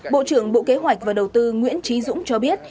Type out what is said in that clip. bộ trưởng bộ kế hoạch và đầu tư nguyễn trí dũng cho biết